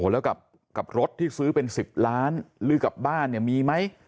แล้วกับรถที่ซื้อเป็น๑๐ล้านหรือกลับบ้านเนี่ยมีไหม